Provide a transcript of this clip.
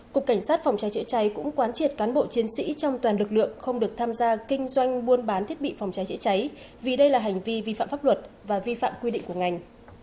cục cảnh sát phòng cháy chữa cháy cũng quán triệt cán bộ chiến sĩ trong toàn lực lượng không được tham gia kinh doanh buôn bán thiết bị phòng cháy chữa cháy vì đây là hành vi vi phạm pháp luật và vi phạm quy định của ngành